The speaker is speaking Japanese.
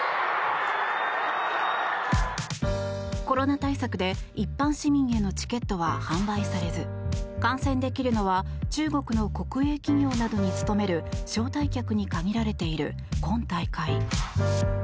コロナ対策で一般市民へのチケットは販売されず観戦できるのは中国の国営企業などに勤める招待客の限られている今大会。